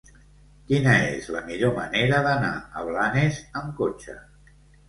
Quina és la millor manera d'anar a Blanes amb cotxe?